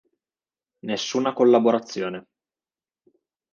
Nessuna collaborazione.